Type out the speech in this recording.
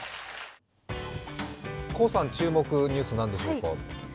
黄さん注目ニュース、何でしょうか？